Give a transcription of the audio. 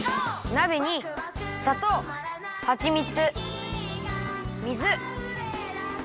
なべにさとうはちみつ水粉